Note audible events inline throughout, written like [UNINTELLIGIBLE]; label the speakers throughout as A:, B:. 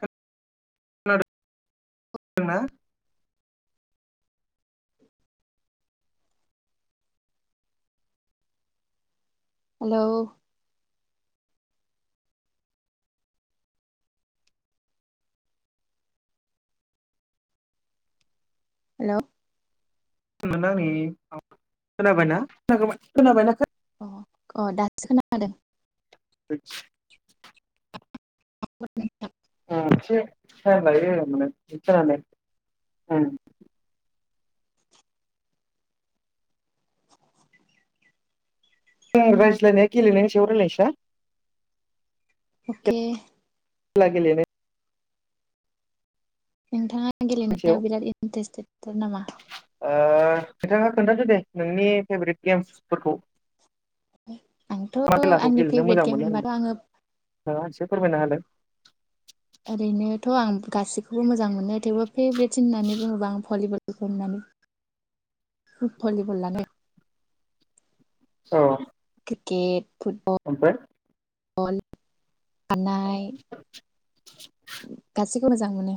A: [UNINTELLIGIBLE] ना
B: हेलौ हेल'
A: आंनि खोनाबाय ना [UNINTELLIGIBLE] खोनाबायना
B: अ अ दासो खोनादों।
A: [UNINTELLIGIBLE]
B: [UNINTELLIGIBLE]
A: [UNINTELLIGIBLE] जों रायज्लायनाया गेलेनायनि सायाव रायलायनोसै ना
B: अके।
A: [UNINTELLIGIBLE] गेलेनाय
B: नोंथाङा
A: सायाव ओ
B: गेलेनायाव बिराद इन्टारेस्टेद थार नामा?
A: खोन्था खोन्थादो दे नोंनि फेभरेट गेम्सफोरखौ
B: आंथ'
A: मा खेलाखौ
B: आंनि
A: गेलेनो मोजां
B: फेभरेट गेम
A: मोनो होनदों
B: होनबाथ' आङो
A: [UNINTELLIGIBLE] एसे फोरमायना होदो।
B: ओरैनोथ' आं गासैखौबो मोजां मोनो थेवबो फेभरेट होननानै बुङोब्ला आं भलिबल भलिबल [UNINTELLIGIBLE]
A: औ
B: [UNINTELLIGIBLE]
A: ओमफ्राय
B: अल [UNINTELLIGIBLE] गासै मोजां मोनो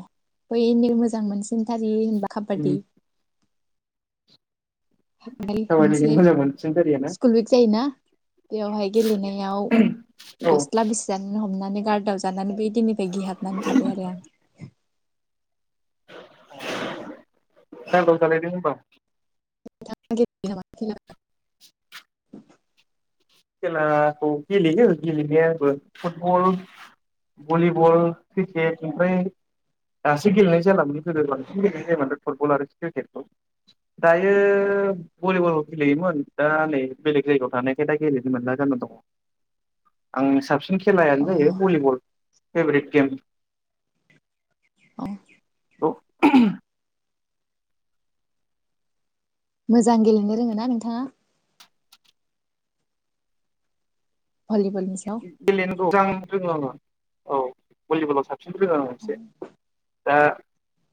B: बैनो मोजां मोनसिनथारि खाबादि रि
A: काबादि
B: मोनसे
A: मोजां मोनसिनथारिया ना
B: स्कुल उइक जायोना? बेवहाय गेलेनायाव
A: औ
B: गस्ला बिसि जानो हमनानै गार्दाव जानानानै बै दिननिफ्राय गिहाबनानै थाबाय आरो आं।
A: सांगाव जालाय द होनोमबा
B: [UNINTELLIGIBLE]
A: खेलाखौ गेलेयो गेलेनायाबो फुटबल भलिबल क्रिकेट ओमफ्राय दासो गेलेनाय जालामोन गोदो बांसिन गेलेनाय जायोम फुटबल आरो क्रिकेटखौ। दायो भलिबल गेलेयोमोन दा नै बेलेग जायगायाव थानायखाय दा गेलेनो मोनला जाना दं आं साबसिन
B: अ
A: खेलायानो जायो बलिबल फेपरेथ [UNINTELLIGIBLE]
B: औ
A: औ
B: मोजां गेलेनो रोङोना नोंथाङा? भलिबलनि सायाव
A: [UNINTELLIGIBLE] औ भलिबलाव साबसिन रोङो आं एसे दा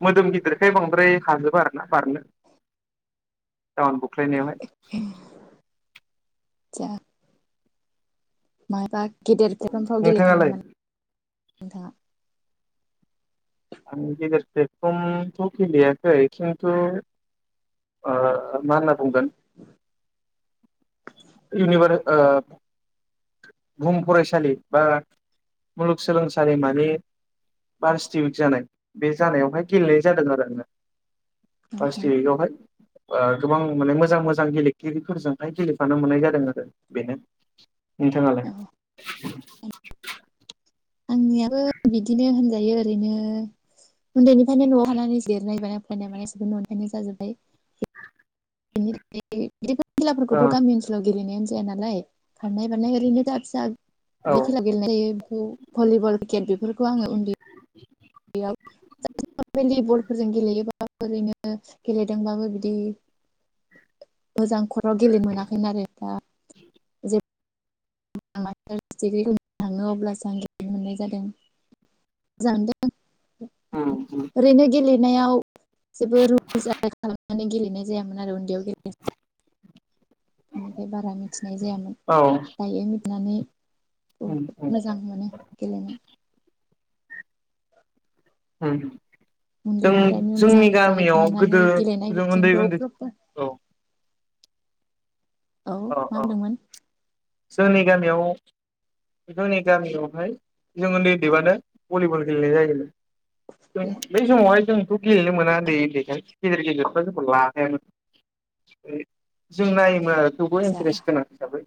A: मोदोम गिदिरखाय बांद्राय हाजोबा आरोना बारनो ओ बुख्लायनायावहाय।
B: नो [UNINTELLIGIBLE] जा मा [UNINTELLIGIBLE] गेदेर प्लेटफर्मफ्राव गेलेखायो
A: नोंथाङालाय
B: नामा नों? नोंथाङा
A: ल्पेतफरमथ' गेलेयाखै खिन्थु ओ मा होनना बुंगोन इउनिभार ओ बुहुम फरायसालि बा मुलुगसोलोंसालिमानि बारसिटि जानाय बे जानायावहाय गेलेनाय जादों आरो आंङो। फस्थि
B: नोंथाङा
A: रगहाय [UNINTELLIGIBLE] ओ गोबां माने मोजां मोजां गेलेगिरिफोरजोंहाय गेलेफानो मोननाय जादों आरो बेनो। नोंथाङालाय?
B: औ आंनियाबो बिदिनो होनजायो ओरैनो उन्दैनिफ्रायनो न'आव हानानै जिरनाय बानाय फायनाय मानाय न'निफ्रायनो जाजोब्बाय। [UNINTELLIGIBLE] बेफोर
A: औ
B: खेलाफोरखौथ' गामि ओनसोलाव गेलेनायानो जा जाया नालाय खारनाय बारनाय ओरैनो दा फिसा
A: औ
B: बे खेला गेलेनाय जायो भ-भलिबल क्रिकेट बेफोरखौ आङो उन्दै फोरजों गेलेयोबा ओरैनो गेलेदोंबाबो बिदि मोजां गेलेनो मोनाखै आरो दा [UNINTELLIGIBLE] मास्टारस डिग्रिखौ [UNINTELLIGIBLE] थाङो अब्लासो आं गेलेनो मोननाय जादों [UNINTELLIGIBLE] [UNINTELLIGIBLE] ओरैनो गेले नायाव जेबो [UNINTELLIGIBLE] माने गेलेनाय जायामोन आरो उन्दैयाव गे बिनिखाय बारा मिथिनाय जायामोन
A: औ
B: दायो मि थिनानै बहुद मोजां मोनो गेलेनो।
A: होम।
B: उन्दैनिफ्रायनो मोजां गाइड
A: गोदो
B: मोननानै गेलेनाय
A: जों उन्दै
B: बिथिंखौ
A: उन्दै
B: प्रपार
A: औ
B: औ मा होनदोंमोन?
A: जोंनि गामियाव जोंनि गामियावहाय जों उन्दै उन्दैबानो भलिबल गेलेनाय जायोमोन। जों बै समावहाय जोंथ' गेलेनो मोना उन्दै उन्दैखाय। गेदेर गेदेरफ्रा जोंखौ लाफायामोन जों नायोमोनआरो। थेवबो
B: आदसा
A: इनट्रेस गोनां हिसाबै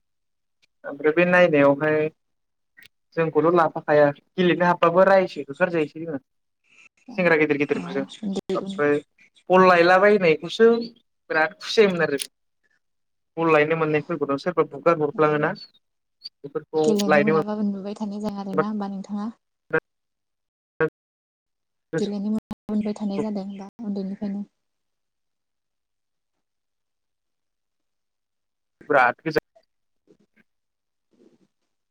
A: ओमफ्राय बे नायनायावहाय जोंखौल' लाफाखाया गेलेनो हाबबाबो रायोसो होखारजायोसो जोंङो। सेंग्रा गिदिर
B: अ
A: गिदिरफोरजों
B: उन्दै उन्दै
A: ओमफ्राय बल लायलाबायनायखौसो बिराद खुसि जायोमोन आरो। बल लायनो मोननाय फोरबोथ' सोरबा बुगार हरफ्लाङोना बेफोरखौ
B: गेलेनो
A: लायनो
B: मोनाबाबो [UNINTELLIGIBLE] आरोना होनोमबा नोंथाङा?
A: [UNINTELLIGIBLE]
B: गेलेनो मोना मोनबाय थानाय
A: गोसोखौ
B: जादों ओमबा उन्दैनिफ्रायनो।
A: बिरात गोजोन।
B: [INAUDIBLE]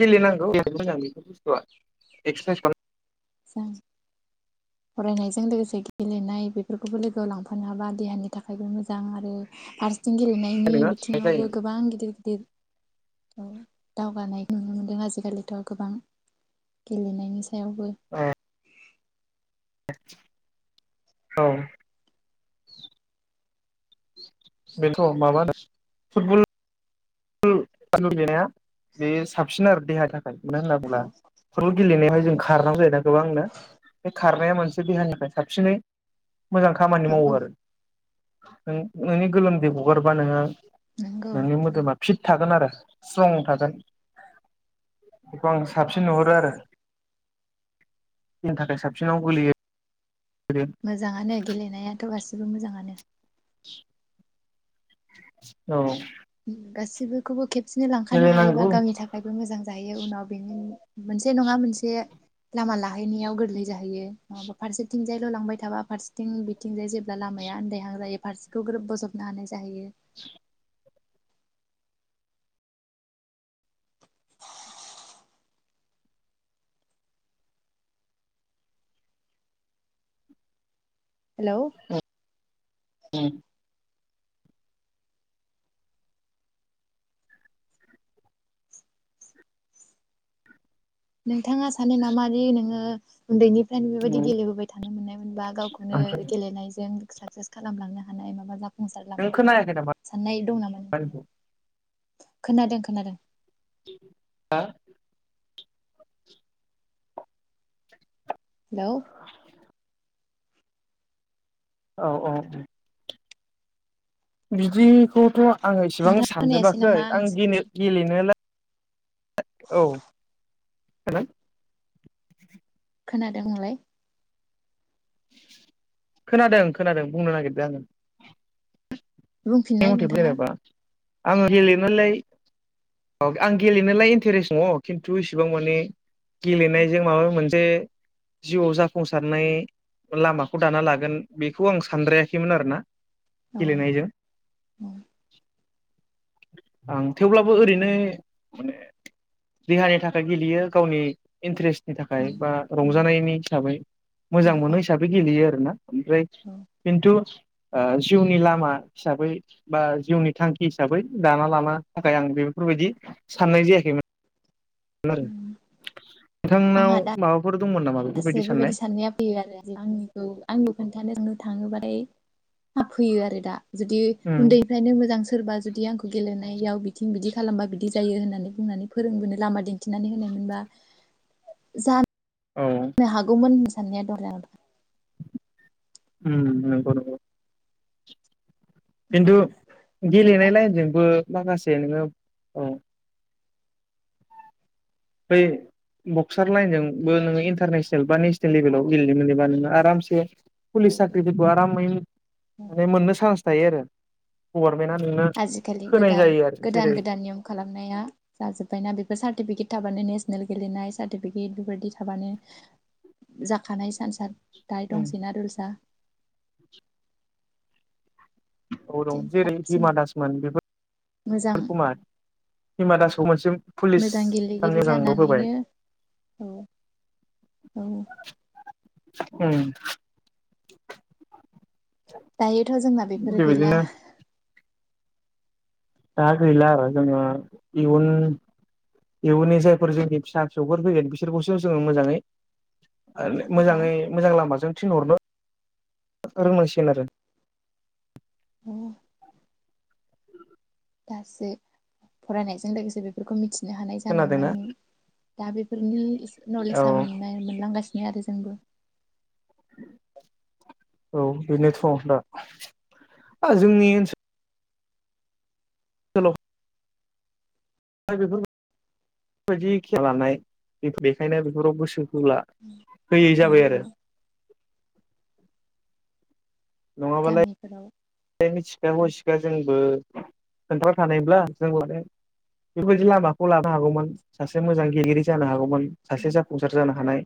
A: गेलेनांगौ बिरात मोजां बेफोर बस्तुआ एक्सेसाइस खाम
B: मोजां फरायनायजों लोगोसे गेलेनाय बेफोरखौबो लोगोआव लांफानो हाबा देहानि थाखायबो मोजां आरो फारसे थिं
A: खालामनाय
B: गेलेनायनि
A: नोङो
B: बिथिङावबो
A: जायो
B: गोबां गिदिर गिदिर औ दावगानाय नुनो मोनदों आजिखालिथ' गोबां गेलेनायनि सायावबो
A: [UNINTELLIGIBLE] औ बेथ' माबा [UNINTELLIGIBLE] फुटबल फुटबल लेनाया बेयो साबसिन आरो देहानि थाखाय। मानो होनना बुंब्ला
B: औ
A: फुटबल गेलेनायाव जों खारनांगौायोना गोबांनो [INAUDIBLE] खारनाया मोनसे देहानिफ्राय साबसिनै मोजां खामानि मावो
B: औ
A: आरो न नोंनि गोलोमदै हगारबा नोङो
B: नंगौ
A: नोंनि मोदोमा फिट थागोन आरो स्ट्रं थागोन बेखौ आं साबसिन नुहरो आरो बिनि थाखाय साबसिनाव गोलैयो
B: मोजाङानो गेलेनायाथ' गासिबो मोजाङानो
A: औ
B: गासिबोखौबो खे सेनो लांखानो
A: गेलेनांगौ
B: हायोबा गावनि थाखायबो मोजां जाहायो उनाव बेनि मोनसे नङा मोनसे लामा लाहैनायाव गोरलै जाहैयो नङाबा फारसेथिंजायल' लांबाय थाबा फारसेथिं बिथिंजाय जेब्ला लामाया आन्दायहां जायो फारसेखौ बजबनो हानाय जाहैयो हेल'
A: उ
B: नोंथाङा सानो नामारि नोङो उन्दैनि फायनो बेबायदि गेलेबोबाय थानो मोननायमोनबा गावखौनो
A: ओमफ्राय
B: गेलेनायजों साक्सेस खालामलांनो हानाय माबा जाख संसार
A: नों
B: लामा बिदि
A: खोनायाखै नामा
B: साननाय दं नामा नोंफ्राय खोनादों खोनादों
A: हा
B: हेल'
A: औ औ औ बिदिखौथ' आङ इसेबां
B: नोंथाङा खोनायासै
A: सानजोबाखै
B: नामा आंनि
A: आं गेले
B: कुइसन?
A: गेलेनालाय औ हा
B: खोनादों नोंलाय
A: खोनादों खोनादों बुंनो नागिरदों आङो
B: बुंफिननाय नोंथाङा
A: [UNINTELLIGIBLE] आङो गेलेनोलाय औ आं गेलेनोलाय इन्टारेस्ट दङ खिन्थु इसेबां माने गेलेनायजों माबा मोनसे जिउआव जाफुंसारनाय लामाखौ दाना लागोन बेखौ आं सानद्रायाखैमोन आरोना।
B: औ
A: गेलेनायजों
B: औ
A: आं थेवब्लाबो ओरैनो माने देहानि थाखाय गेलेयो गावनि इन्ट्रेस्टनि थाखाय बा रंजानायनि हिसाबै मोजां
B: औ
A: मोनो हिसाबै गेलेयो आरोना ओमफ्राय
B: औ औ
A: खिन्थु आ जिउनि लामा हिसाबै बा जिउनि थांखि हिसाबै दाना लानो थाखाय आं बेफोरबायदि साननाय जायाखैमोन। नोंथांनाव
B: आंहा दा
A: माबाफोर दंमोन नामा
B: दासो
A: बेफोरबायदि
B: बेबायदि
A: साननाय
B: साननाया फैयो आरो आंनिखौ आंनिबो खोन्थानो नों थाङोबथाय हाब फैयो आरो दा जुदि
A: उम
B: उन्दैनिफ्रायनो मोजां सोरबा जुदि आंखौ गेलेनायाव बिं बिदि खालामबा बिदि जायो होननानै बुंनानै फोरोंबोनो लामा दिन्थिनानै होनायमोनबा ज
A: औ उम
B: होननो हागौमोन जल [UNINTELLIGIBLE]
A: हम नंगौ नंगौ खिन्थु
B: जेब्ला
A: गेलेनाय लाइनजोंबो माखासे नोङो औ बै बक्सार लाइनजोंबो नोङो इन्टारनेसनेल बा नेसनेल लेभेलाव गेलेनो मोनबा नोङो आरामसे पुलिस साख्रिफोरखौ आरामै माने मोननो सान्स थाय आरो गभारनमेन्टआ नोंनो
B: आजिखालि
A: होनाय
B: गोदान
A: जायो आरो
B: गोदान
A: जेरै
B: गोदान नियम खालामनाया जाजोब्बायना बेफोर सार्टिफिकेट थाबानो नेसनेल गेलेनाय सार्टिफिकेट बेबायदि थाबानो जाखानाय सान्स गाय दंसैना रुलसा
A: औ दं जेरै
B: थाबसिन
A: हिमा दास मोन बेफोर
B: मोजां
A: बकुमार हिमा दासखौ मोनसे पुलिस
B: मोजां
A: साननि
B: गेलेगिरि
A: मोजांल' होबाय
B: जानानैनो औ औ
A: उ
B: दायोथ' जोंना बेफोरो गैला
A: दा गैला आरो जोङो इयुन इयुननि जायफोर जोंनि फिसा फिसौफोर फैगोन बिसोरखौसो जोङो मोजाङै
B: दा
A: मोजाङै मोजां लामाजों थन हरनो रोंनांसिगोन आरो
B: औ दासो फरायनायजों लोगोसे बेफोरखौ मिथि बिनो हानाय
A: खोनादोंना
B: जालांनानै दा बेफोरनि
A: औ
B: नलेजा मोन मोनलांगासिनो बि आरो जोंबो
A: औ बेनोथ' दा जोंनि ओनसोल सेल' द बेफोर बेबायदि खे लानाय बेखायनो बेफोराव गोसो होला होयै जाबाय
B: जोंबो
A: आरो नङाबालाय
B: गामिफोराव
A: मिथिखा हसिखा जोंबो खोनथाग्रा थानायब्ला जों माने बेबायदि लामाखौ लानो हागौमोन सासे मोजां गेलेगिरि जानो हागौमोन सासे जाफुंसार जानो हानाय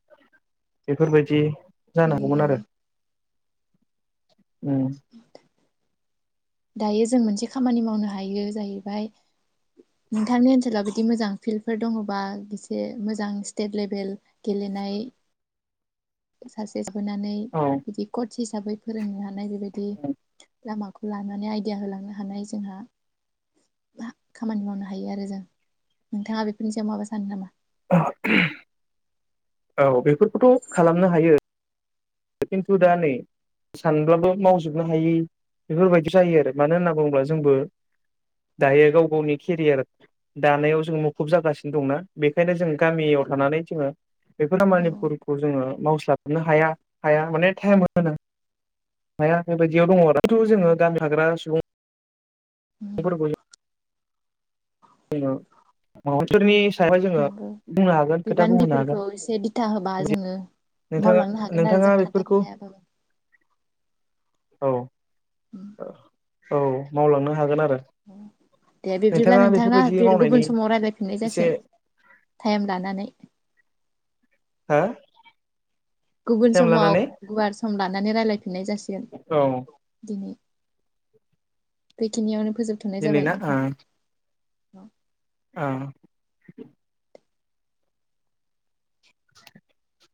A: बेफोरबायदि
B: हायो
A: जानांगौमोन आरो।
B: हायो
A: उम
B: दायो जों मोनसे खामानि मावनो हायो जाहैबाय नोंथांनि ओनसोलाव बिदि मोजां फिल्डफोर दङबा एसे मोजां स्टेट लेभेल गेलेनाय सासे लाबोनानै
A: औ
B: बिदि थिसाबै फोरोंनो हानाय बेबायदि लामाखौ लानानै आइदिया होलांनो हानाय जोंहा खामानि मावनो हायो आरो जों नोंथाङा बेफोरनि सायाव माबा सानो नामा
A: [UNINTELLIGIBLE] औ बेफोरखौथ' खालामनो हायो खिन्थु दा नै सानब्लाबो मावजोबनो हायै बेफोरबायदि जायो आरो मानो होनना बुङोब्ला जोंबो दायो गाव गावनि केरियार दानायाव जों मुखुब जागासिनो दंना बेखायनो जों गामियाव थानानै जोङो बेफोरो
B: औ
A: मानिपुरखौ जोङो मावस्लाबनो हाया। हाया माने टाइम होनो हाया। बेबायदियाव दङ आरोथ' जोङो गामि थाग्रा सुबुं [UNINTELLIGIBLE] [UNINTELLIGIBLE]
B: नंगौ
A: बुंनो हागोन खोथा बुंहोनो हागोन
B: बिबानगिरिफोरखौ एसे बिथा होबा
A: बिदि
B: जोङो
A: नोंथाङा
B: मावलांनो हागोन आरो
A: नोंथाङा
B: जों
A: बेफोरखौ
B: थाथाबनो हायाबाबो
A: औ औ मावलांनो हागोन आरो
B: दे बिब्दिब्ला
A: नोंथाङा
B: नोंथां
A: बेफोरबायदि
B: नङा
A: मावनायनि
B: गुबुन समाव रायजलायफिननाय
A: एसे
B: जासिग टाइम लानानै
A: हो
B: गुबुन
A: टाइम
B: समाव
A: लानानै
B: गुवार सम लानानै रायजलायफिननाय जासिगोन
A: औ
B: बेखिनियावनो फोजोबथ'नाय
A: दिनै
B: जाबाय
A: ना ओ
B: नोंथां। औ
A: ओ [INAUDIBLE]